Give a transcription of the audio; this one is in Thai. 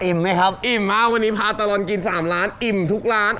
ไหมครับอิ่มมากวันนี้พาตลอดกิน๓ร้านอิ่มทุกร้าน